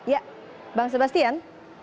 ya bang sebastian